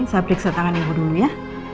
saya periksa tangan ibu dulu ya